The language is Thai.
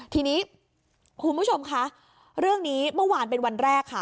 ทีนี้คุณผู้ชมคะเรื่องนี้เมื่อวานเป็นวันแรกค่ะ